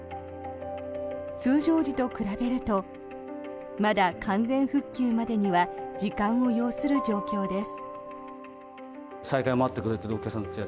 通常時と比べるとまだ完全復旧までには時間を要する状況です。